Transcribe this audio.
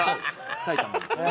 埼玉の。